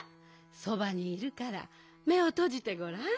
そばにいるからめをとじてごらん。